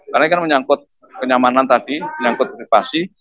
karena kan menyangkut kenyamanan tadi menyangkut privasi